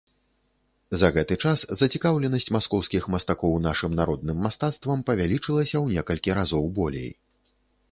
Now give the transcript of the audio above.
За гэты час зацікаўленасць маскоўскіх мастакоў нашым народным мастацтвам павялічылася ў некалькі разоў болей.